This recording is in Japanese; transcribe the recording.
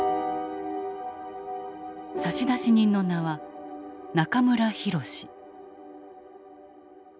差出人の名は中村泰。